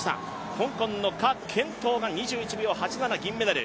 香港の何甄陶が２１秒８７、銀メダル。